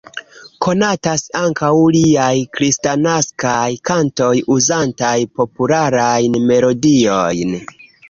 Konatas ankaŭ liaj kristnaskaj kantoj uzantaj popularajn melodiojn.